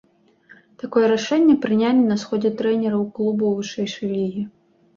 Такое рашэнне прынялі на сходзе трэнераў клубаў вышэйшай лігі.